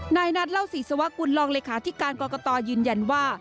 นายนัทเล่าศรีสวกุลรองเลขาธิการกรกตยืนยันว่า